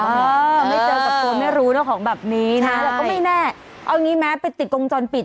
ไม่เจอกับตัวไม่รู้เนอะของแบบนี้นะก็ไม่แน่เอางี้แม้ไปติดกงจรปิด